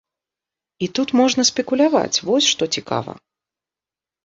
І тут можна спекуляваць, вось што цікава.